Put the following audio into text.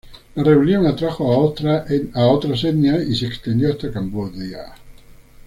La rebelión atrajo a otras etnias y se extendió hasta Camboya.